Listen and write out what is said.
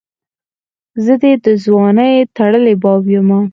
زه دي دځوانۍ ټړلي باب یمه